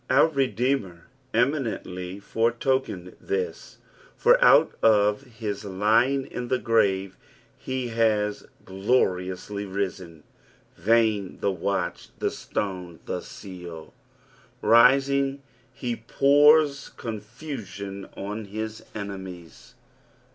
Our Redeemer eminently foretokened this, for out of his lying in the grave he has gloriously risen. Vain the watch, the stone, the seal I Rising he pours confusion on his enemies.